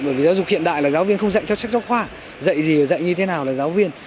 bởi vì giáo dục hiện đại là giáo viên không dạy theo sách giáo khoa dạy gì dạy như thế nào là giáo viên